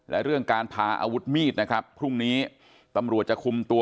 และเรื่องการพาอาวุธมีดนะครับพรุ่งนี้ตำรวจจะคุมตัว